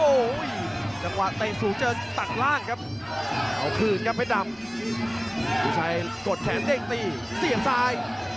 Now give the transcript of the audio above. โอ้โหได้แล้วครับเพชรดำ